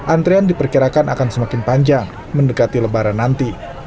antrean diperkirakan akan semakin panjang mendekati lebaran nanti